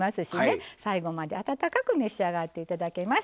最後まで温かく召し上がって頂けます。